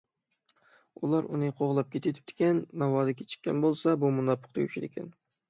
ئۇلار ئۇنى قوغلاپ كېتىۋېتىپتىكەن. ناۋادا كېچىككەن بولسام بۇ مۇناپىق تۈگىشىدىكەن.